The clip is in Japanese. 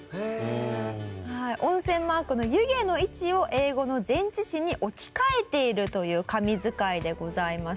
温泉マークの湯気の位置を英語の前置詞に置き換えているという神図解でございます。